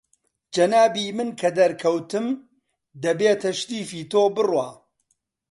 جەنابی من کە دەرکەوتم، دەبێ تەشریفی تۆ بڕوا